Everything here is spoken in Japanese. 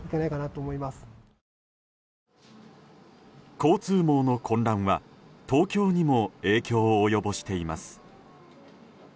交通網の混乱は東京にも影響を及ぼしています。